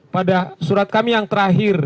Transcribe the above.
pada surat kami yang terakhir